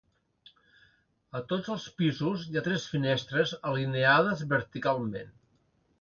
A tots els pisos hi ha tres finestres alineades verticalment.